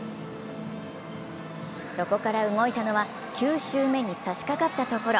そこから動いたのは９周目に差しかかったところ。